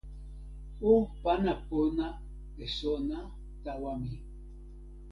o pana pona e sona tawa mi